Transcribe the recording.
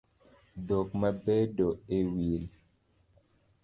Dhok ma bedo e wiI